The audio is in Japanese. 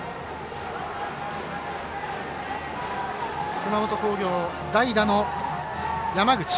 熊本工業、代打の山口。